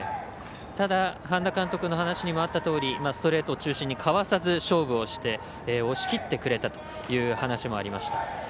ただ、半田監督の話にもあったようにストレート中心にかわさず勝負をして押し切ってくれたという話もありました。